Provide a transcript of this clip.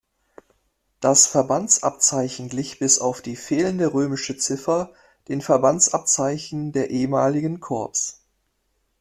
Das Verbandsabzeichen glich bis auf die fehlende römische Ziffer den Verbandsabzeichen der ehemaligen Korps.